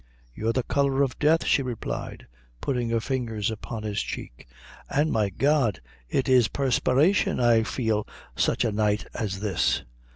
"You're the color of death," she replied putting her fingers upon his cheek; " an, my God! is it paspiration I feel such a night as this?